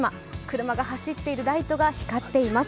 車が走っているライトが光っています。